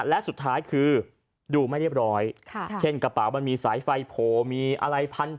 และสุดท้ายคือดูไม่เรียบร้อยเช่นกระเป๋ามันมีสายไฟโผล่มีอะไรพัน